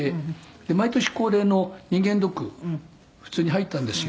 「で毎年恒例の人間ドック普通に入ったんですよ」